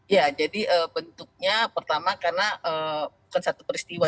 ya jadi bentuknya pertama karena bukan satu peristiwa